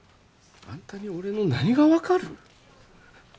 本当に俺の何が分かる？